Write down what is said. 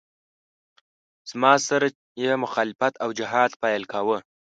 زما سره یې مخالفت او جهاد پیل کاوه.